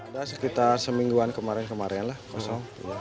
ada sekitar semingguan kemarin kemarin lah kosong